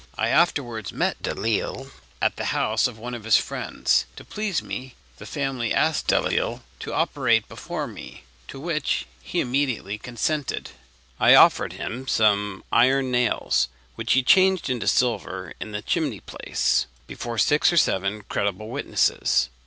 I afterwards met Delisle at the house of one of my friends. To please me, the family asked Delisle to operate before me, to which he immediately consented. I offered him some iron nails, which he changed into silver in the chimney place before six or seven credible witnesses.